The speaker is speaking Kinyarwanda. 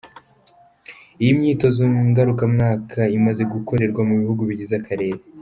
Iyi myitozo ngarukamwaka imaze gukorerwa mu bihugu bigize akarere.